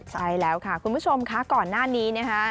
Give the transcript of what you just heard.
ใช่แล้วค่ะคุณผู้ชมค่ะก่อนหน้านี้นะคะ